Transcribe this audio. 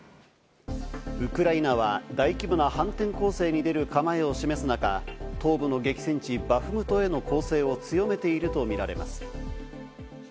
ウクライナは大規模な反転攻勢に出る構えを示す中、東部の激戦地・バフムトへの攻勢を強めていると見られます。